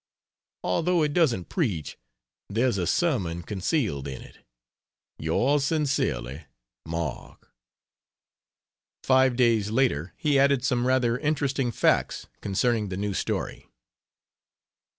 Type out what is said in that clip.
Although it doesn't preach, there's a sermon concealed in it. Yr sincerely, MARK. Five days later he added some rather interesting facts concerning the new story.